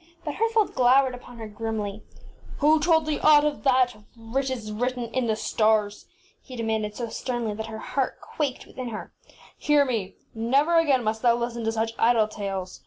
ŌĆÖ But Herthold glow %i)tce Sfllrabtrs ered upon her grimly. ŌĆś Who told thee of aught that is written in the stars? ŌĆÖ he demanded, so sternly that her heart quaked within her. ŌĆś Hear me! Never again must thou listen to such idle tales.